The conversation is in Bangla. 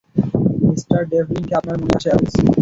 মিস্টার ডেভলিনকে আপনার মনে আছে, অ্যালেক্স?